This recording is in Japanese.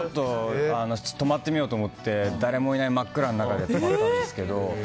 泊まってみようと思って誰もいない真っ暗な中泊まったんですけど。